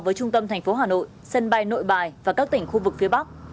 với trung tâm thành phố hà nội sân bay nội bài và các tỉnh khu vực phía bắc